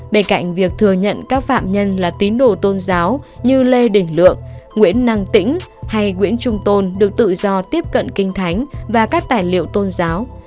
bên cạnh việc thừa nhận các phạm nhân là tín đồ tôn giáo như lê đỉnh lượng nguyễn năng tĩnh hay nguyễn trung tôn được tự do tiếp cận kinh thánh và các tài liệu tôn giáo